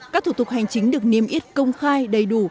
các thủ tục hành chính được niêm yết công khai đầy đủ